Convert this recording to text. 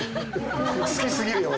好きすぎるよ俺。